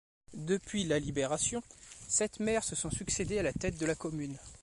Depuis la Libération, sept maires se sont succédé à la tête de la commune.